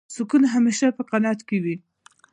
سکون همېشه په قناعت کې وي.